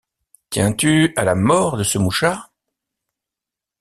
Tiens-tu à la mort de ce mouchard?